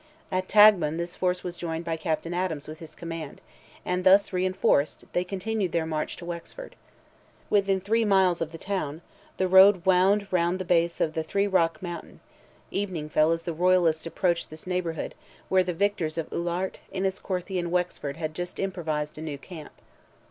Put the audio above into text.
At Taghmon this force was joined by Captain Adams with his command, and thus reinforced they continued their march to Wexford. Within three miles of the town the road wound round the base of the "three rock" mountain; evening fell as the royalists approached this neighbourhood, where the victors of Oulart, Enniscorthy, and Wexford had just improvised a new camp.